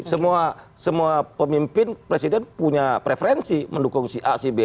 semua pemimpin presiden punya preferensi mendukung si a si b